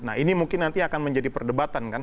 nah ini mungkin nanti akan menjadi perdebatan kan